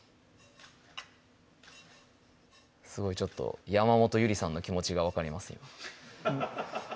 すごいちょっと山本ゆりさんの気持ちが分かりますよ